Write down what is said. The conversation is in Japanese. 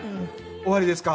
終わりですか？